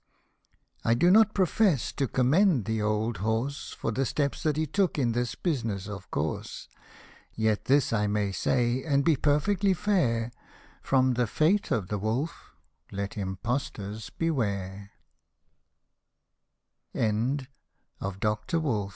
I do not profess to commend the old horse For the steps that he took in this business, of course ; Yet this I may say, and be perfectly fair, From the fate of the wolf, let impostors